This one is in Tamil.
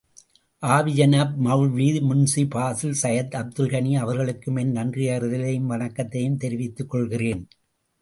ஆவி ஜனாப் மெளல்வி முன்ஷி பாசில் சையத் அப்துல் கனி அவர்களுக்கும் என் நன்றியறிதலையும், வணக்கத்தையும் தெரிவித்துக் கொள்ளுகிறேன்.